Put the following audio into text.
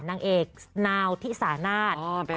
นางเอกนาวทิสานาศ